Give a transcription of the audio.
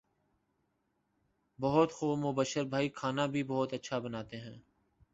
بہت خوب مبشر بھائی کھانا بھی بہت اچھا بناتے ہیں